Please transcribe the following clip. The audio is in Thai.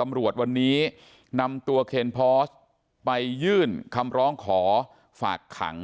ตำรวจวันนี้นำตัวเคนพอสไปยื่นคำร้องขอฝากขัง